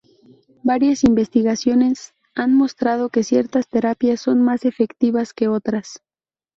Varias investigaciones han mostrado que ciertas terapias son más efectivas que otras.